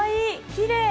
きれい！